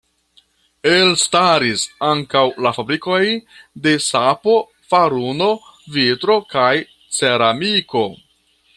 Elstaris ankaŭ la fabrikoj de sapo, faruno, vitro kaj ceramiko.